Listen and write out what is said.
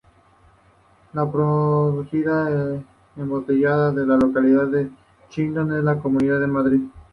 Es producida y embotellada en la localidad de Chinchón, en la Comunidad de Madrid.